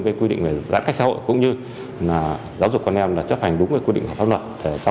trong cái quy định giãn cách xã hội cũng như là giáo dục con em là chấp hành đúng cái quy định pháp luật